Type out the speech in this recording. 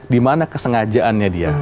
di mana kesengajaannya dia